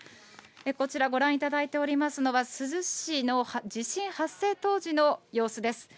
こちらご覧いただいておりますのは、珠洲市の地震発生当時の様子です。